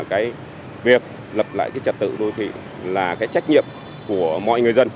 cái việc lập lại cái trật tự đô thị là cái trách nhiệm của mọi người dân